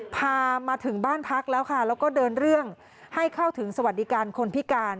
พามาถึงบ้านพักแล้วค่ะแล้วก็เดินเรื่องให้เข้าถึงสวัสดิการคนพิการ